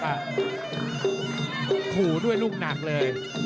ครูด้วยรุ่นนักเลย